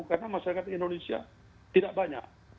karena masyarakat indonesia tidak banyak